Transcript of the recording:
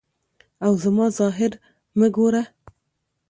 او زما ظاهر مه ګوره.